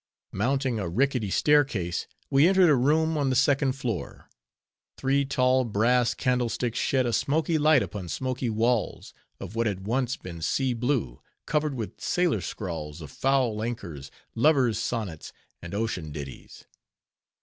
Mounting a rickety staircase, we entered a room on the second floor. Three tall brass candlesticks shed a smoky light upon smoky walls, of what had once been sea blue, covered with sailor scrawls of foul anchors, lovers' sonnets, and ocean ditties.